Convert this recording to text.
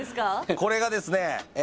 これがですねえ